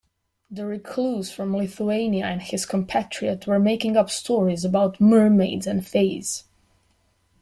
The recluse from Lithuania and his compatriot were making up stories about mermaids and fays.